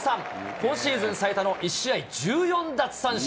今シーズン最多の１試合１４奪三振。